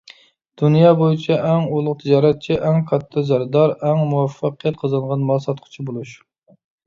دۇنيا بويىچە ئەڭ ئۇلۇغ تىجارەتچى، ئەڭ كاتتا زەردار، ئەڭ مۇۋەپپەقىيەت قازانغان مال ساتقۇچى بولۇش.